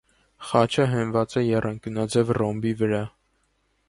Խաչը հենված է եռանկյունաձև ռոմբի վրա։